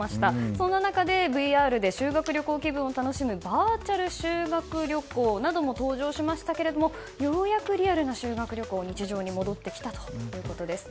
そんな中でＶＲで修学旅行気分を楽しむバーチャル修学旅行なども登場しましたがようやくリアルな修学旅行が日常に戻ってきたということです。